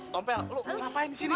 eh tompel lu ngapain di sini